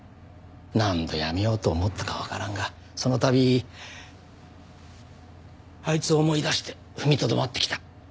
何度辞めようと思ったかわからんがその度あいつを思い出して踏みとどまってきた。